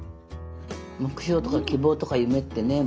目標とか希望とか夢ってねえ